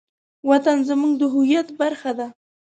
وطن زموږ د هویت برخه ده.